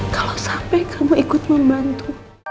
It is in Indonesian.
kalau sampai kamu ikut membantu